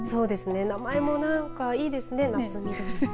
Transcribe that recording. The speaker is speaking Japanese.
名前もいいですね、夏緑。